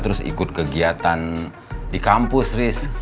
terus ikut kegiatan di kampus risk